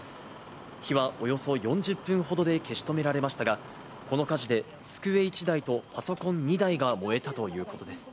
火はおよそ４０分ほどで消し止められましたが、この火事で、机１台とパソコン２台が燃えたということです。